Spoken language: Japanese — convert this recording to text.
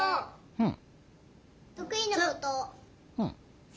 うん。